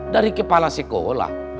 dari kepala sekolah